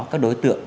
các đối tượng